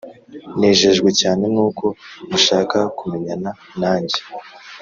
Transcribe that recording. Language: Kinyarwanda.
nejejwe cyane nuko mushaka kumenyana nange